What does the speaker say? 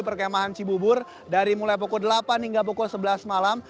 perkemahan cibubur dari mulai pukul delapan hingga pukul sebelas malam